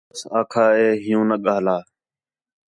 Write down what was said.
مڑس آکھا ہِے ہیوں نہ ڳاھلا